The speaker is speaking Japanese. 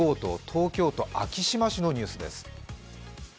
東京都昭島市のニュースです。